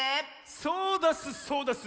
そうだっすそうだっす。